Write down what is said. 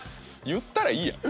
言ったらいいやん。